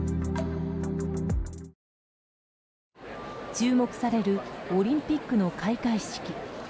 注目されるオリンピックの開会式。